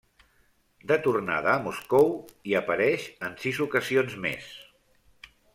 De tornada a Moscou, hi apareix en sis ocasions més.